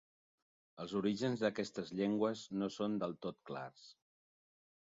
Els orígens d'aquestes llengües no són del tot clars.